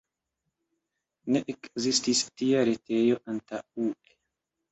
Ne ekzistis tia retejo antaŭe.